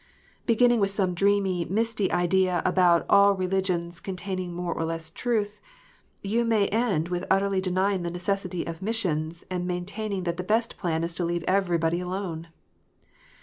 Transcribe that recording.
Beginning with some dreamy, misty idea about "all religions containing more or less truth," you may end with utterly denying the necessity of missions, and main taining that the best plan is to leave everybody alone.